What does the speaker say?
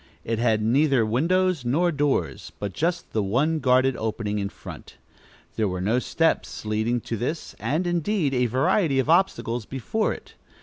It had neither windows nor doors, but just the one guarded opening in front. There were no steps leading to this, and, indeed, a variety of obstacles before it.